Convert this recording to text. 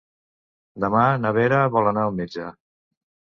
Demà na Vera vol anar al metge.